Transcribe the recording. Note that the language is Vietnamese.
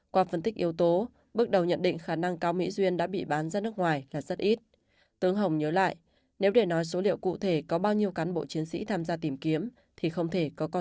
qua phân tích yếu tố bước đầu nhận định khả năng cao mỹ duyên đã bị bán ra nước ngoài là rất ít